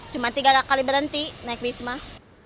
cuma tiga kali berhenti naik bis mah